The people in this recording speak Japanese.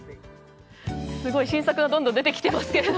すごい！新作がどんどん出てきてますけど。